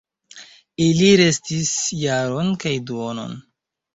Ili restis jaron kaj duonon.